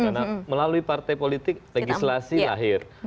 karena melalui partai politik legislasi lahir